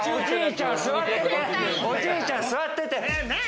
おじいちゃん、座ってて！